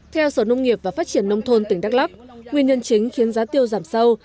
theo sở nông nghiệp và phát triển nông thôn tỉnh đắk lắc nguyên nhân chính khiến giá tiêu giảm sâu